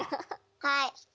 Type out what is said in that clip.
はい。